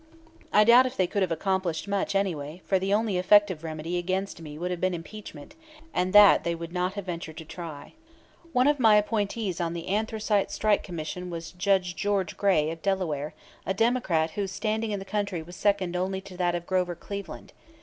I doubt if they could have accomplished much anyway, for the only effective remedy against me would have been impeachment, and that they would not have ventured to try.[*] [*] One of my appointees on the Anthracite Strike Commission was Judge George Gray, of Delaware, a Democrat whose standing in the country was second only to that of Grover Cleveland.